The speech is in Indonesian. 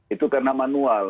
itu karena manual